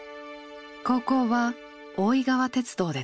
高校は大井川鉄道で通学。